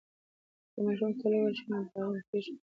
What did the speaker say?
که ماشوم تل ووهل شي نو ډارن کیږي.